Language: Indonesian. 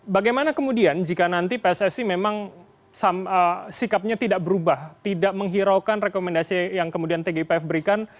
bagaimana kemudian jika nanti pssi memang sikapnya tidak berubah tidak menghiraukan rekomendasi yang kemudian tgpf berikan